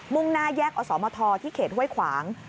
่งหน้าแยกอสมทที่เขตห้วยขวาง